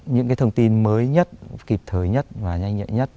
những thông tin mới nhất kịp thời nhất và nhanh nhất